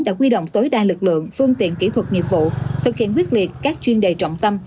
đã quy động tối đa lực lượng phương tiện kỹ thuật nghiệp vụ thực hiện quyết liệt các chuyên đề trọng tâm